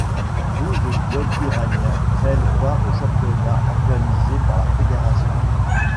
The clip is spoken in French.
Douze clubs iraniens prennent part au championnat organisé par la fédération.